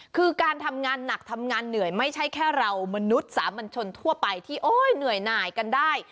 คือการทำงานหนักทำงานเหนื่อยไม่ใช่แค่เรามนุษย์สามัญชนทั่วไปที่โอ๊ยเหนื่อยหน่ายกันได้